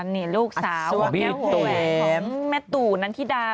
นี่ลูกสาวแก้วแหวนของแม่ตู่นทิดา